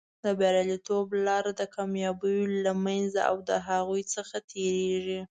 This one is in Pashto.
د بریالیتوب لاره د ناکامیو له منځه او د هغو څخه تېرېږي.